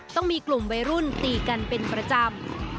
ต้องมีกลุ่มวัยรุ่นตีกันเป็นประจำ